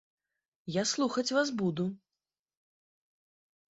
Я слухаць вас буду.